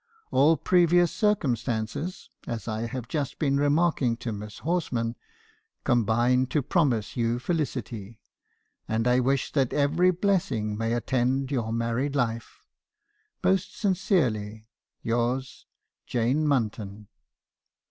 All previous circumstances , as I have just been remarking to Miss Horsman , combine to pro mise you felicity. And I wish that every blessing may attend your married life. "'Most sincerely yours, " 'Jane Munton.'